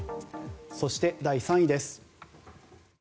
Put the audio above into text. そして、第３位です。